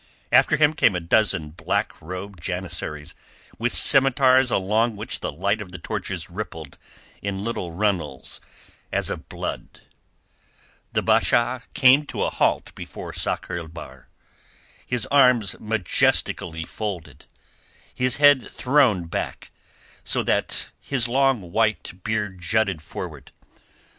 After him came a dozen black robed janissaries with scimitars along which the light of the torches rippled in little runnels as of blood. The Basha came to a halt before Sakr el Bahr, his arms majestically folded, his head thrown back, so that his long white beard jutted forward.